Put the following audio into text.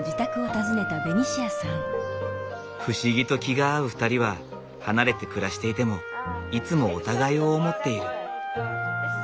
不思議と気が合う２人は離れて暮らしていてもいつもお互いを思っている。